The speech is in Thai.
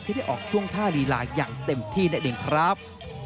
ที่ได้ออกท่วงท่าลีล่าอย่างเต็มที่นะเด็กครับ